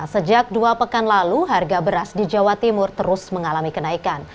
sejak dua pekan lalu harga beras di jawa timur terus mengalami kenaikan